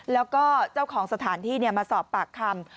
แล้วก็เจ้าของสถานที่มาสอบปากคำ